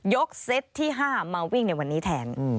เซตที่๕มาวิ่งในวันนี้แทน